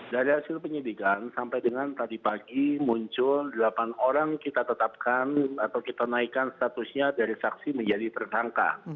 dari hasil penyidikan sampai dengan tadi pagi muncul delapan orang kita tetapkan atau kita naikkan statusnya dari saksi menjadi tersangka